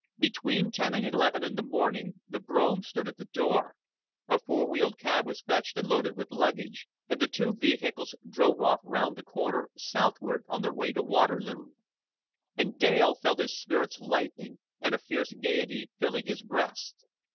Between ten and eleven in the morning the brougham stood at the door, a four wheeled cab was fetched and loaded with luggage, and the two vehicles drove off round the corner southward on their way to Waterloo. And Dale felt his spirits lightening and a fierce gaiety filling his breast.